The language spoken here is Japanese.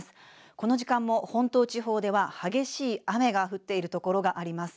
この時間も本島地方では激しい雨が降っている所があります。